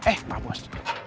eh pak bos